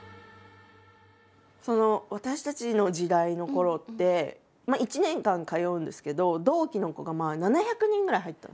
私たちの時代のころって１年間通うんですけど同期の子が７００人ぐらい入ったんですよ。